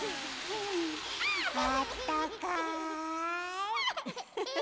あったかい。